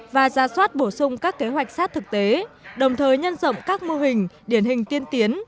và ra soát bổ sung các kế hoạch sát thực tế đồng thời nhân rộng các mô hình điển hình tiên tiến